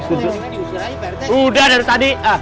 udah dari tadi